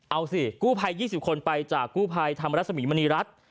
เอาสิกู้ภัย๒๐คนไปจากกู้ภัยธรรมรสมีมณีรัฐ